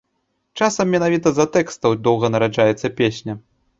Часам менавіта з-за тэкстаў доўга нараджаецца песня.